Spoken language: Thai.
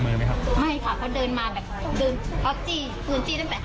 เหลือคนนึงก็เอาพื้นจี้